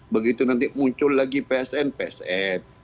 begitu nanti muncul lagi psn psn